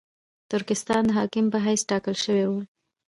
ترکستان د حاکم په حیث ټاکل شوی وو.